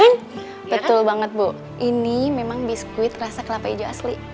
hmm betul banget bu ini memang biskuit rasa kelapa hijau asli